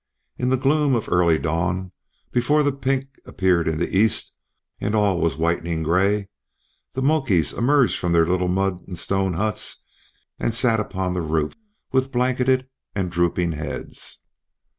In the gloom of early dawn, before the pink appeared in the east, and all was whitening gray, the Mokis emerged from their little mud and stone huts and sat upon the roofs with blanketed and drooping heads.